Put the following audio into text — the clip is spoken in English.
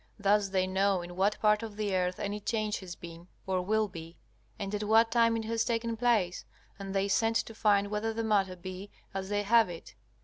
Thus they know in what part of the earth any change has been or will be, and at what time it has taken place, and they send to find whether the matter be as they have it.